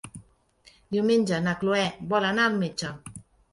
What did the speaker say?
Diumenge na Cloè vol anar al metge.